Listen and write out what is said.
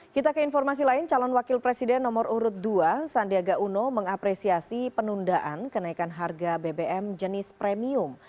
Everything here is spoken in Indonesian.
kita ke informasi lain calon wakil presiden nomor urut dua sandiaga uno mengapresiasi penundaan kenaikan harga bbm jenis premium